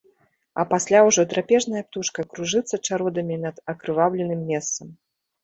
А пасля ўжо драпежная птушка кружыцца чародамі над акрываўленым месцам.